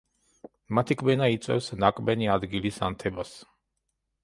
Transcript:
მათი კბენა იწვევს ნაკბენი ადგილის ანთებას.